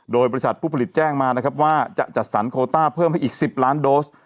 โดยบริษัทผู้ผลิตแจ้งมานะครับว่าจะจัดสรรโคต้าเพิ่มให้อีก๑๐ล้านโดส